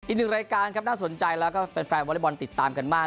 อีกหนึ่งรายการครับน่าสนใจแล้วก็แฟนวอเล็กบอลติดตามกันมาก